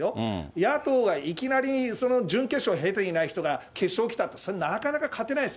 野党がいきなり準決勝を経ていない人が決勝来たら、それはなかなか勝てないです。